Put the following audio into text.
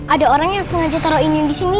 ada orang yang sengaja taruh ini disini